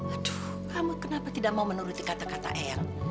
aduh kamu kenapa tidak mau menuruti kata kata eyang